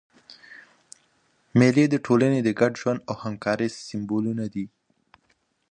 مېلې د ټولني د ګډ ژوند او همکارۍ سېمبولونه دي.